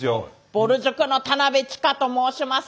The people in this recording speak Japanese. ぼる塾の田辺智加と申します。